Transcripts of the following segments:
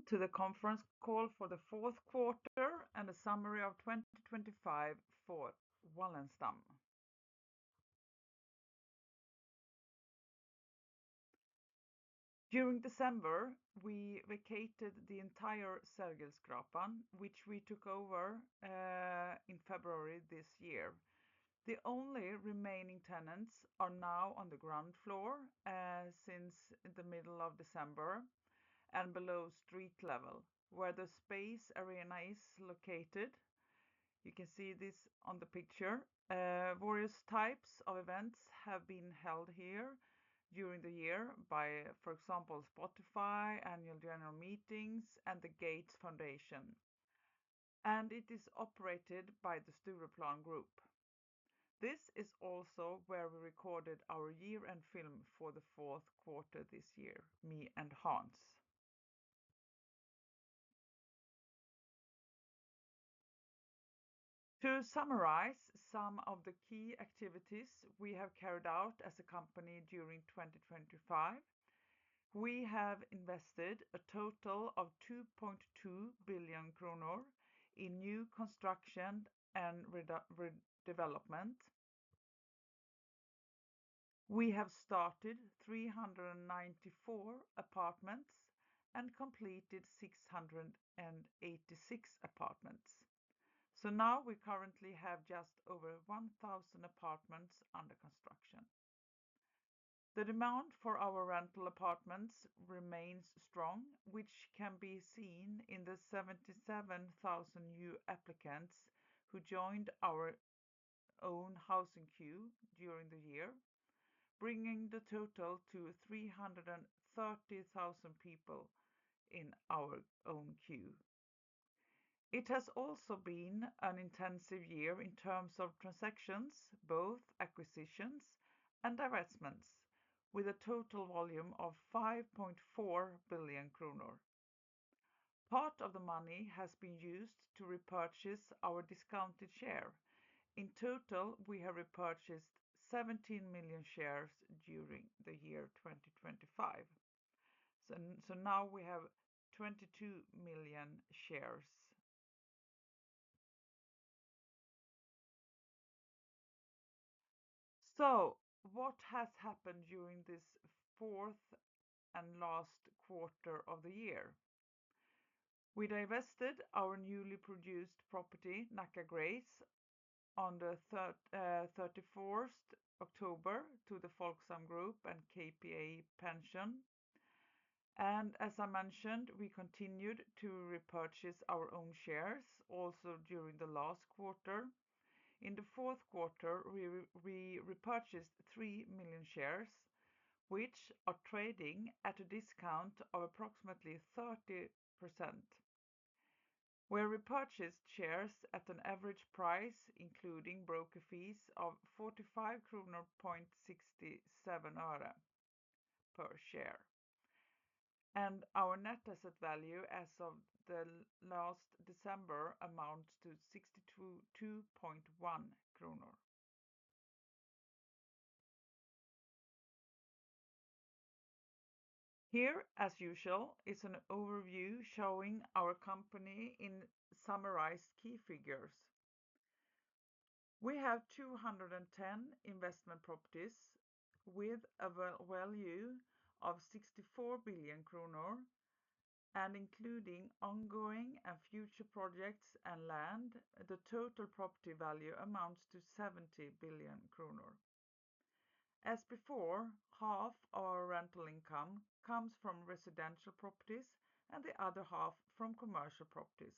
Welcome to the conference call for the Q4 and a summary of 2025 for Wallenstam. During December, we vacated the entire Sergelgatan, which we took over in February this year. The only remaining tenants are now on the ground floor since the middle of December and below street level, where the Space Arena is located. You can see this on the picture. Various types of events have been held here during the year by, for example, Spotify, annual general meetings, and the Gates Foundation, and it is operated by the Stureplansgruppen. This is also where we recorded our year-end film for the Q4 this year, me and Hans. To summarize some of the key activities we have carried out as a company during 2025, we have invested a total of 2.2 billion kronor in new construction and redevelopment. We have started 394 apartments and completed 686 apartments. So now we currently have just over 1,000 apartments under construction. The demand for our rental apartments remains strong, which can be seen in the 77,000 new applicants who joined our own housing queue during the year, bringing the total to 330,000 people in our own queue. It has also been an intensive year in terms of transactions, both acquisitions and divestments, with a total volume of 5.4 billion kronor. Part of the money has been used to repurchase our discounted share. In total, we have repurchased 17 million shares during the year 2025. So now we have 22 million shares. So what has happened during this fourth and last quarter of the year? We divested our newly produced property, Nacka Grace, on 31 October to the Folksam Group and KPA Pension. As I mentioned, we continued to repurchase our own shares also during the last quarter. In the Q4, we repurchased 3 million shares, which are trading at a discount of approximately 30%. We repurchased shares at an average price, including broker fees, of 45.67 kronor per share, and our net asset value as of 31 December amounts to 62.1 SEK. Here, as usual, is an overview showing our company in summarized key figures. We have 210 investment properties with a value of 64 billion kronor, and including ongoing and future projects and land, the total property value amounts to 70 billion kronor. As before, half our rental income comes from residential properties and the other half from commercial properties,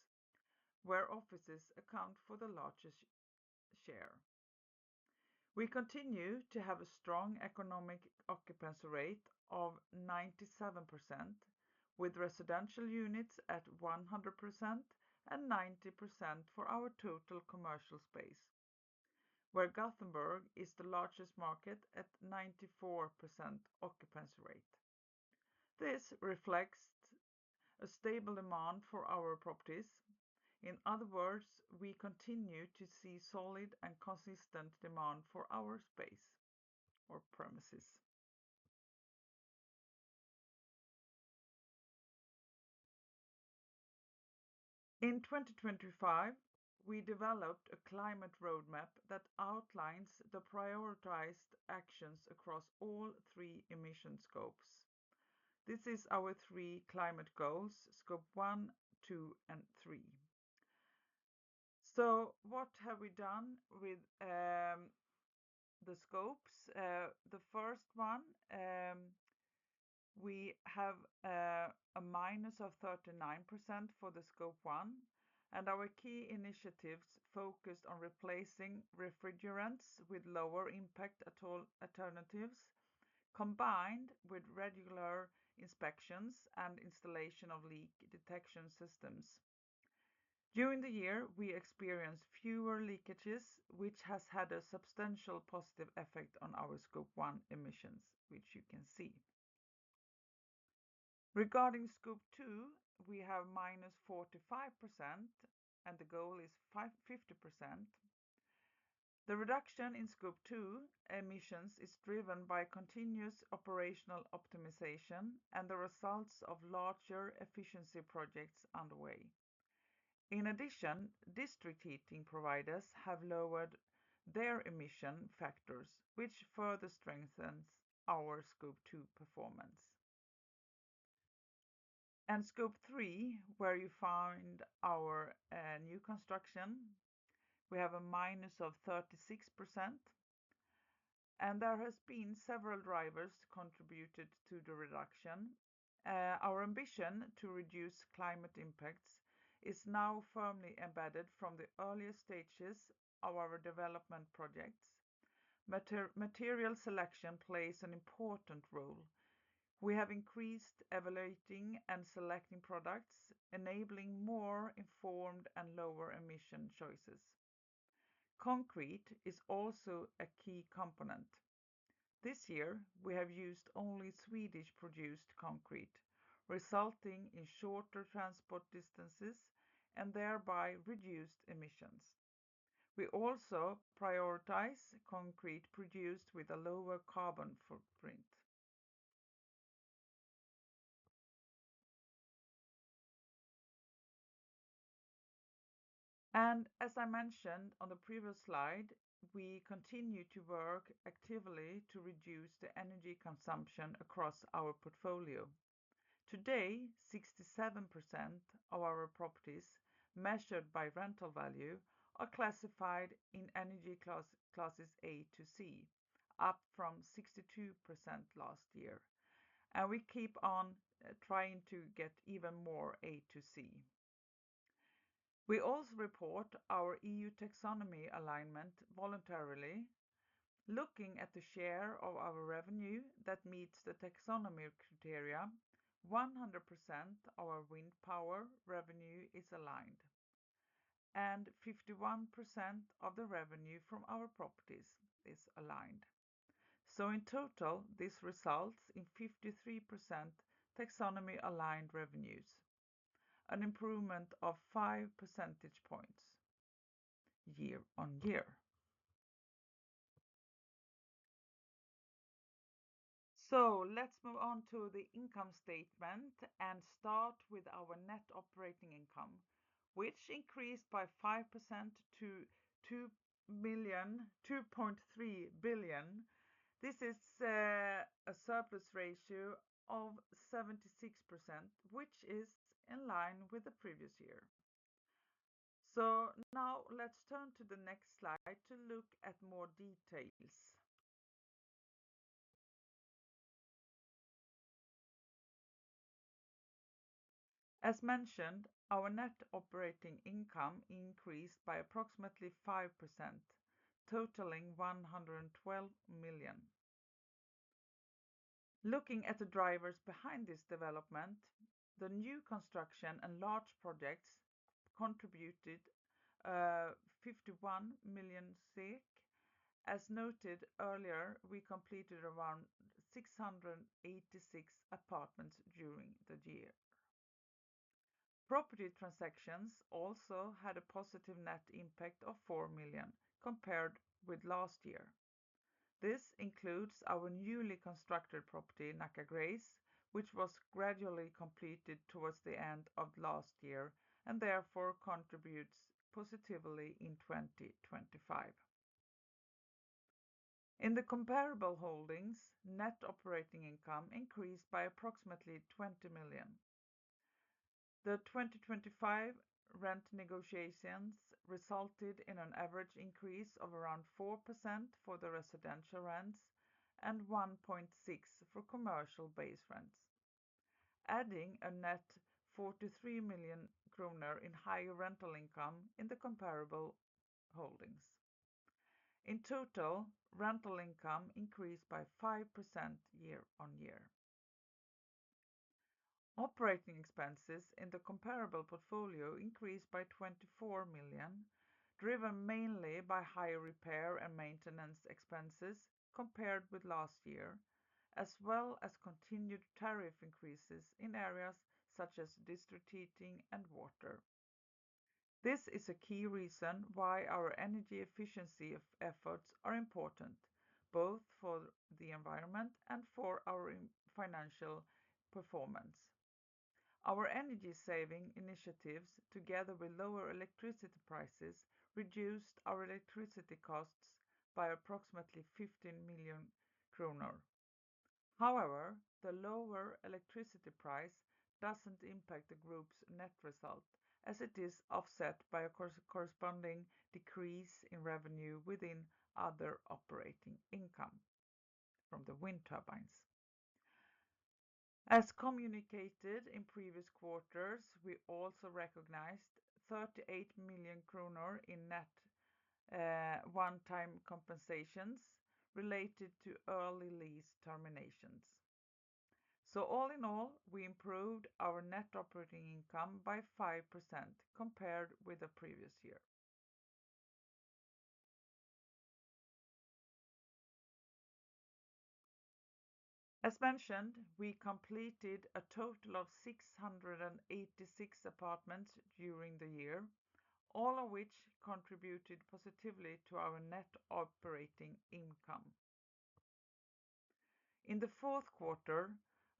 where offices account for the largest share. We continue to have a strong economic occupancy rate of 97%, with residential units at 100% and 90% for our total commercial space, where Gothenburg is the largest market at 94% occupancy rate. This reflects a stable demand for our properties. In other words, we continue to see solid and consistent demand for our space or premises. In 2025, we developed a climate roadmap that outlines the prioritized actions across all three emission scopes. This is our three climate goals, Scope 1, 2, and 3. So what have we done with the scopes? The first one, we have a minus of 39% for the Scope 1, and our key initiatives focused on replacing refrigerants with lower impact natural alternatives, combined with regular inspections and installation of leak detection systems. During the year, we experienced fewer leakages, which has had a substantial positive effect on our Scope 1 emissions, which you can see. Regarding Scope 2, we have minus 45%, and the goal is 50%. The reduction in Scope 2 emissions is driven by continuous operational optimization and the results of larger efficiency projects underway. In addition, district heating providers have lowered their emission factors, which further strengthens our Scope 2 performance. Scope 3, where you find our new construction, we have a minus of 36%, and there has been several drivers contributed to the reduction. Our ambition to reduce climate impacts is now firmly embedded from the earliest stages of our development projects. Material selection plays an important role. We have increased evaluating and selecting products, enabling more informed and lower emission choices. Concrete is also a key component. This year, we have used only Swedish-produced concrete, resulting in shorter transport distances and thereby reduced emissions. We also prioritize concrete produced with a lower carbon footprint. And as I mentioned on the previous slide, we continue to work actively to reduce the energy consumption across our portfolio. Today, 67% of our properties, measured by rental value, are classified in energy classes A to C, up from 62% last year, and we keep on trying to get even more A to C. We also report our EU taxonomy alignment voluntarily. Looking at the share of our revenue that meets the taxonomy criteria, 100% of our wind power revenue is aligned, and 51% of the revenue from our properties is aligned. So in total, this results in 53% taxonomy-aligned revenues, an improvement of 5 percentage points year-on-year. So let's move on to the income statement and start with our net operating income, which increased by 5% to 2.3 billion. This is a surplus ratio of 76%, which is in line with the previous year. So now let's turn to the next slide to look at more details. As mentioned, our net operating income increased by approximately 5%, totaling 112 million. Looking at the drivers behind this development, the new construction and large projects contributed 51 million. As noted earlier, we completed around 686 apartments during the year. Property transactions also had a positive net impact of 4 million compared with last year. This includes our newly constructed property, Nacka Grace, which was gradually completed towards the end of last year and therefore contributes positively in 2025. In the comparable holdings, net operating income increased by approximately 20 million. The 2025 rent negotiations resulted in an average increase of around 4% for the residential rents and 1.6% for commercial base rents, adding a net 43 million kronor in higher rental income in the comparable holdings. In total, rental income increased by 5% year-on-year. Operating expenses in the comparable portfolio increased by 24 million, driven mainly by higher repair and maintenance expenses compared with last year, as well as continued tariff increases in areas such as district heating and water. This is a key reason why our energy efficiency of efforts are important, both for the environment and for our financial performance. Our energy-saving initiatives, together with lower electricity prices, reduced our electricity costs by approximately 15 million kronor. However, the lower electricity price doesn't impact the group's net result, as it is offset by a corresponding decrease in revenue within other operating income from the wind turbines. As communicated in previous quarters, we also recognized 38 million kronor in net one-time compensations related to early lease terminations. So all in all, we improved our net operating income by 5% compared with the previous year. As mentioned, we completed a total of 686 apartments during the year, all of which contributed positively to our net operating income. In the Q4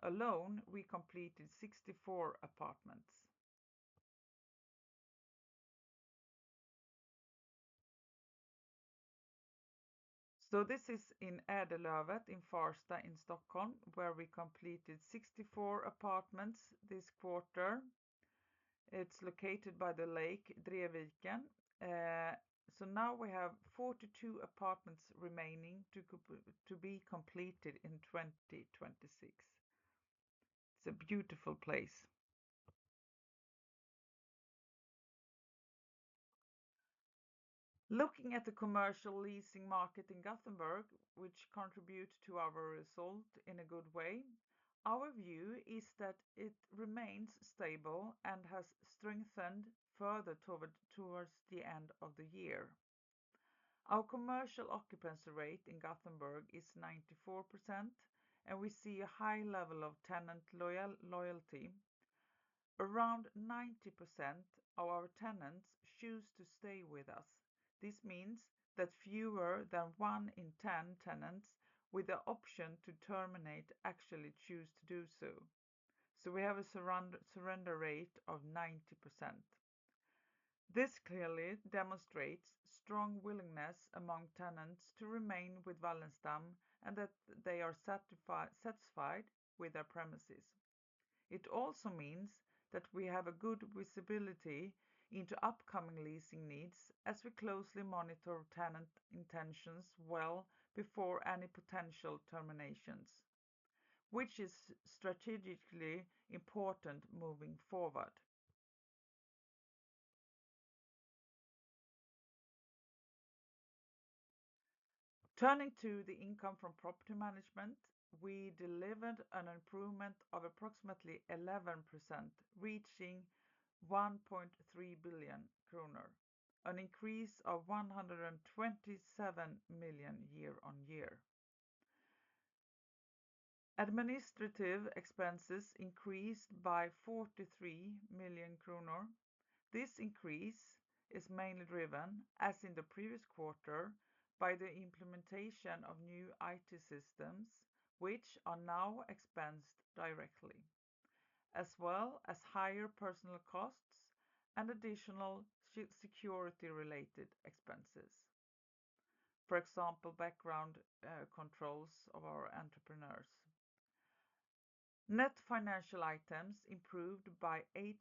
alone, we completed 64 apartments. So this is in Ädellövet, in Farsta, in Stockholm, where we completed 64 apartments this quarter. It's located by the lake, Drevviken. So now we have 42 apartments remaining to be completed in 2026. It's a beautiful place. Looking at the commercial leasing market in Gothenburg, which contributes to our result in a good way, our view is that it remains stable and has strengthened further towards the end of the year. Our commercial occupancy rate in Gothenburg is 94%, and we see a high level of tenant loyalty. Around 90% of our tenants choose to stay with us. This means that fewer than one in ten tenants with the option to terminate, actually choose to do so. We have a surrender rate of 90%. This clearly demonstrates strong willingness among tenants to remain with Wallenstam, and that they are satisfied with their premises. It also means that we have a good visibility into upcoming leasing needs, as we closely monitor tenant intentions well before any potential terminations, which is strategically important moving forward. Turning to the income from property management, we delivered an improvement of approximately 11%, reaching 1.3 billion kronor, an increase of 127 million year-on-year. Administrative expenses increased by 43 million kronor. This increase is mainly driven, as in the previous quarter, by the implementation of new IT systems, which are now expensed directly, as well as higher personal costs and additional security-related expenses. For example, background controls of our entrepreneurs. Net financial items improved by 8%,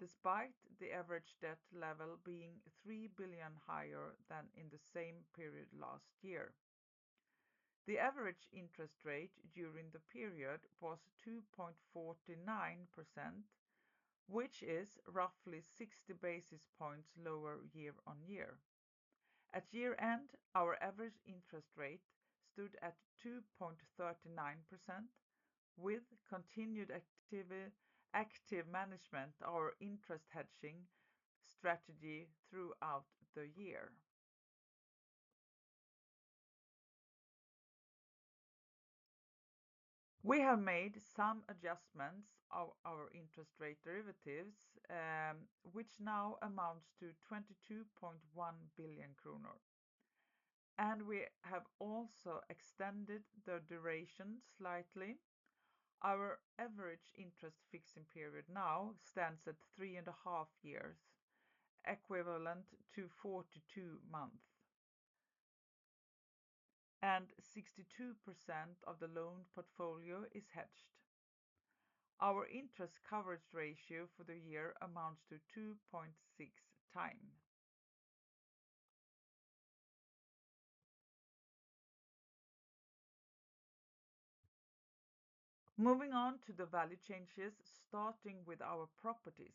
despite the average debt level being 3 billion higher than in the same period last year. The average interest rate during the period was 2.49%, which is roughly 60 basis points lower year-over-year. At year-end, our average interest rate stood at 2.39%, with continued active management of our interest hedging strategy throughout the year. We have made some adjustments of our interest rate derivatives, which now amounts to 22.1 billion kronor, and we have also extended the duration slightly. Our average interest fixing period now stands at 3.5 years, equivalent to 42 months, and 62% of the loan portfolio is hedged. Our interest coverage ratio for the year amounts to 2.6 times. Moving on to the value changes, starting with our properties.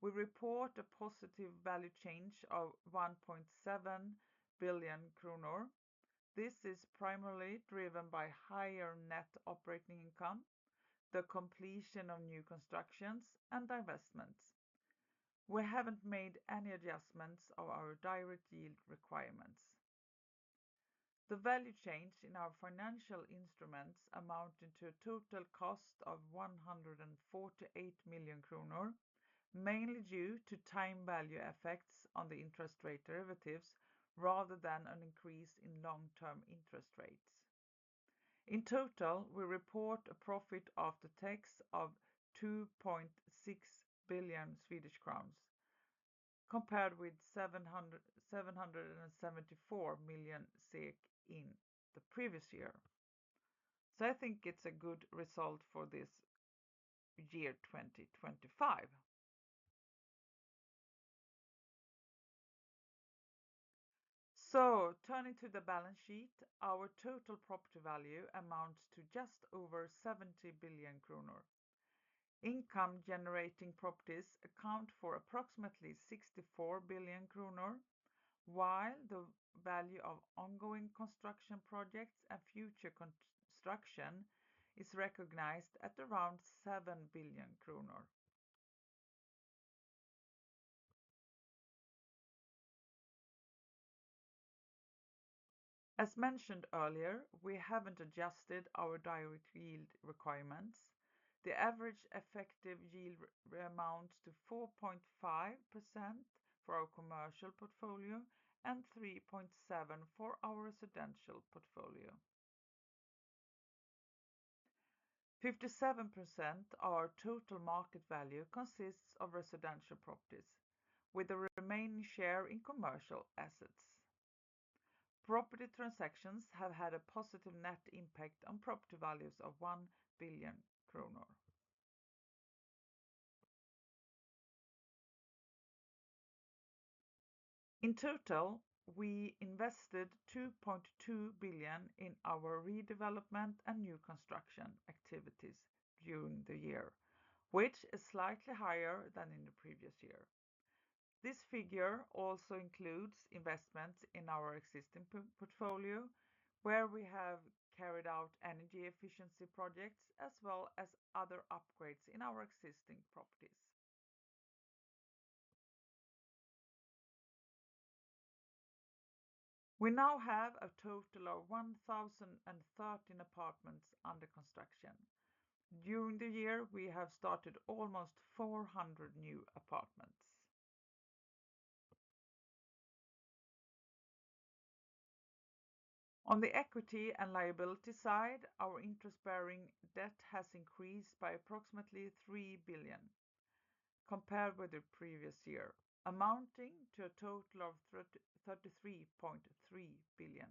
We report a positive value change of 1.7 billion kronor. This is primarily driven by higher net operating income, the completion of new constructions, and divestments. We haven't made any adjustments of our direct yield requirements. The value change in our financial instruments amounted to a total cost of 148 million kronor, mainly due to time value effects on the interest rate derivatives, rather than an increase in long-term interest rates. In total, we report a profit after tax of 2.6 billion Swedish crowns, compared with 774 million in the previous year. So I think it's a good result for this year, 2025. So turning to the balance sheet, our total property value amounts to just over 70 billion kronor. Income-generating properties account for approximately 64 billion kronor, while the value of ongoing construction projects and future construction is recognized at around 7 billion kronor. As mentioned earlier, we haven't adjusted our direct yield requirements. The average effective yield amounts to 4.5% for our commercial portfolio, and 3.7% for our residential portfolio. 57% of our total market value consists of residential properties, with the remaining share in commercial assets. Property transactions have had a positive net impact on property values of 1 billion kronor. In total, we invested 2.2 billion in our redevelopment and new construction activities during the year, which is slightly higher than in the previous year. This figure also includes investments in our existing portfolio, where we have carried out energy efficiency projects, as well as other upgrades in our existing properties. We now have a total of 1,013 apartments under construction. During the year, we have started almost 400 new apartments. On the equity and liability side, our interest-bearing debt has increased by approximately 3 billion compared with the previous year, amounting to a total of 33.3 billion.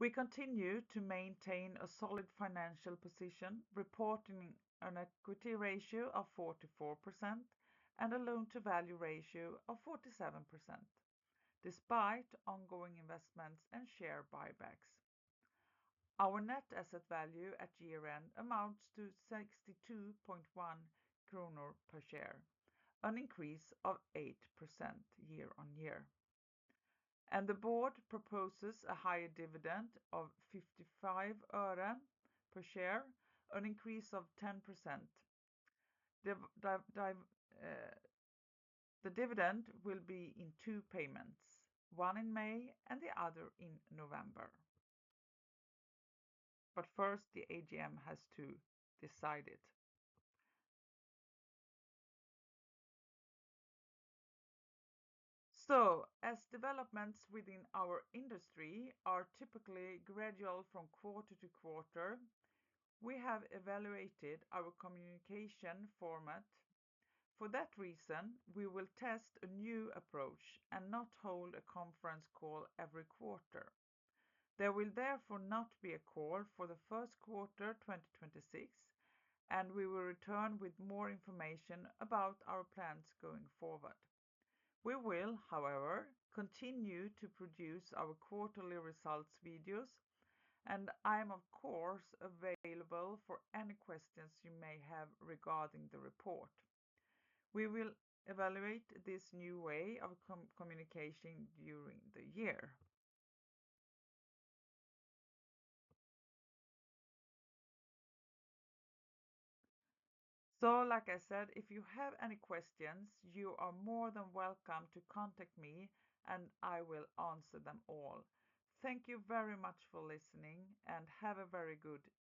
We continue to maintain a solid financial position, reporting an equity ratio of 44% and a loan-to-value ratio of 47%, despite ongoing investments and share buybacks. Our net asset value at year-end amounts to 62.1 kronor per share, an increase of 8% year on year, and the board proposes a higher dividend of 0.55 SEK per share, an increase of 10%. The dividend will be in two payments, one in May and the other in November. But first, the AGM has to decide it. So as developments within our industry are typically gradual from quarter-to-quarter, we have evaluated our communication format. For that reason, we will test a new approach and not hold a conference call every quarter. There will therefore not be a call for the Q1 2026, and we will return with more information about our plans going forward. We will, however, continue to produce our quarterly results videos, and I am, of course, available for any questions you may have regarding the report. We will evaluate this new way of communication during the year. So like I said, if you have any questions, you are more than welcome to contact me, and I will answer them all. Thank you very much for listening, and have a very good day.